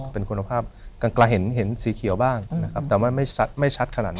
เป็นคุณภาพกลางเห็นสีเขียวบ้างนะครับแต่ว่าไม่ชัดขนาดนั้น